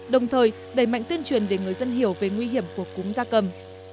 đồng thời đẩy mạnh tuyên truyền để người dân hiểu về nguy hiểm của cúng gia cầm